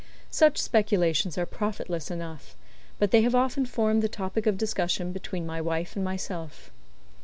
Such speculations are profitless enough, but they have often formed the topic of discussion between my wife and myself.